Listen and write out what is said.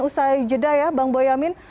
usai jeda ya bang boyamin